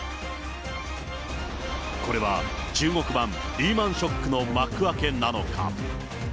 これは中国版リーマンショックの幕開けなのか。